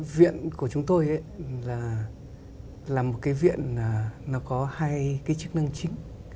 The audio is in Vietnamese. viện của chúng tôi là một viện có hai chức năng chính